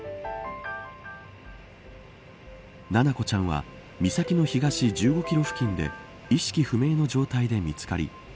七菜子ちゃんは岬の東１５キロ付近で意識不明の状態で見つかり